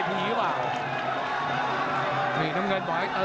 แล้วทีมงานน่าสื่อ